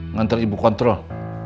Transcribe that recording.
ngantar ibu kontrol